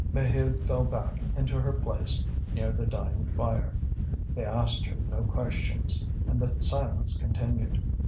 Maheude fell back into her place near the dying fire. They asked her no questions, and the silence continued.